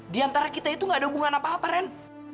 di antara kita itu gak ada hubungan apa apa ren